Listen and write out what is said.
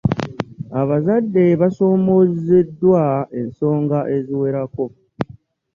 Abazadde basoomoozeddwa ensonga eziwerako.